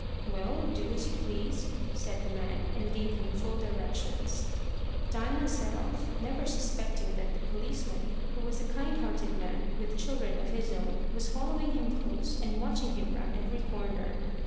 "Well, do as you please," said the man, and gave him full directions. Diamond set off, never suspecting that the policeman, who was a kind hearted man, with children of his own, was following him close, and watching him round every corner.